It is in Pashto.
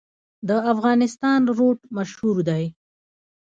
د افغانستان روټ مشهور دی